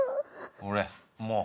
ほれもう。